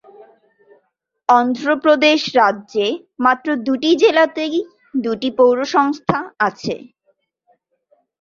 অন্ধ্রপ্রদেশ রাজ্যে মাত্র দুটি জেলাতেই দুটি পৌরসংস্থা আছে।